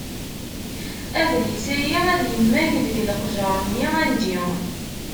Adlis-ayi ad yemmag deg leqjer-nni anǧi.